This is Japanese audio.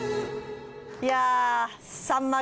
いや。